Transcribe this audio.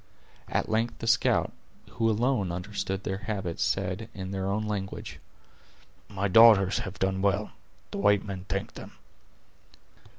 At length the scout, who alone understood their habits, said, in their own language: "My daughters have done well; the white men thank them."